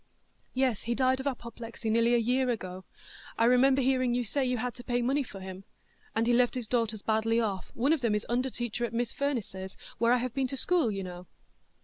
"Yes, he died of apoplexy nearly a year ago. I remember hearing you say you had to pay money for him; and he left his daughters badly off; one of them is under teacher at Miss Firniss's, where I've been to school, you know."